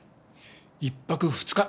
１泊２日。